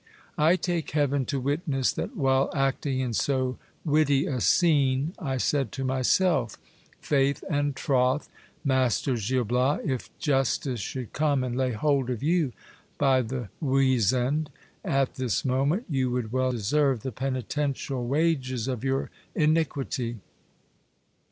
I take heaven to wit ness that while acting in so witty a scene, I said to myself : Faith and troth, master Gil Bias, if justice should come and lay hold of you by the wesand at this moment, you would well deserve the penitential wages of your iniquity.